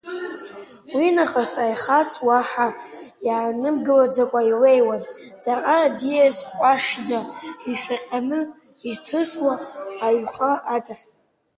Уинахыс аихац уаҳа иаанымгылаӡакәа илеиуан, ҵаҟа аӡиас ҟәашӡа ишәаҟьаны изҭысуаз аиҩхаа аҵахь…